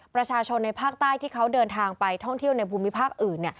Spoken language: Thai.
ประชาชนในภาคใต้ที่เขาเดินทางไปท่องเที่ยวในภูมิภาคอื่น